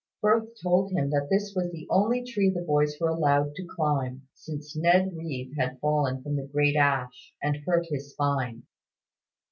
Firth told him that this was the only tree the boys were allowed to climb, since Ned Reeve had fallen from the great ash, and hurt his spine.